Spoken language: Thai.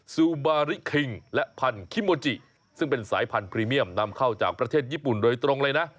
ซูบาริคิงและพันธิโมจิซึ่งเป็นสายพันธรีเมียมนำเข้าจากประเทศญี่ปุ่นโดยตรงเลยนะ